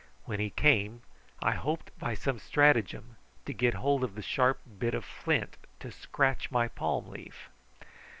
When he came I hoped by some stratagem to get hold of the sharp bit of flint to scratch my palm leaf.